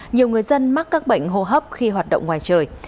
nhiều người dân mắc các bệnh hô hấp khi hoạt động ngoài trời